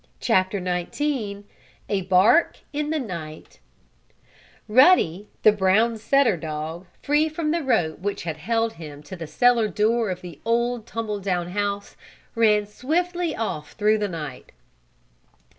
CHAPTER XIX A BARK IN THE NIGHT Ruddy, the brown setter dog, free from the rope which had held him to the cellar door of the old, tumble down house, ran swiftly off through the night.